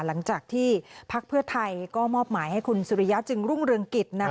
หลังจากที่พักเพื่อไทยก็มอบหมายให้คุณสุริยะจึงรุ่งเรืองกิจ